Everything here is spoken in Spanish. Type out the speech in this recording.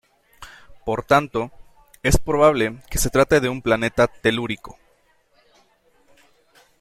Por tanto, es probable que se trate de un planeta telúrico.